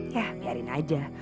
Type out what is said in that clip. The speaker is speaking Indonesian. ya biarin aja